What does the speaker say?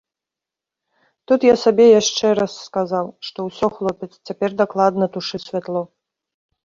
Тут я сабе яшчэ раз сказаў, што ўсё, хлопец, цяпер дакладна тушы святло.